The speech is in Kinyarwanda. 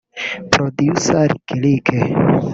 Producer Lick Lick